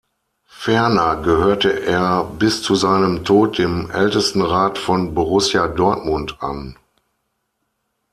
Ferner gehörte er bis zu seinem Tod dem Ältestenrat von Borussia Dortmund an.